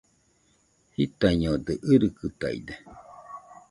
Jitaiñodɨ, irikɨtaide